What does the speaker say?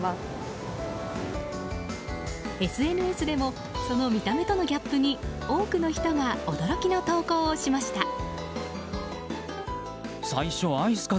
ＳＮＳでもその見た目とのギャップに多くの人が驚きの投稿をしました。